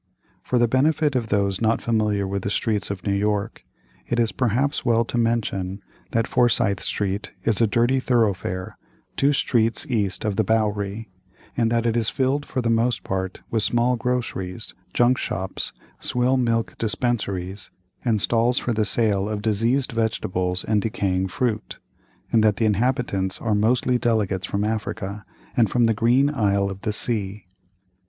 For the benefit of those not familiar with the streets of New York, it is perhaps well to mention that Forsyth Street is a dirty thoroughfare, two streets east of the Bowery, and that it is filled for the most part with small groceries, junk shops, swill milk dispensaries, and stalls for the sale of diseased vegetables and decaying fruit, and that the inhabitants are mostly delegates from Africa, and from the Green Isle of the Sea.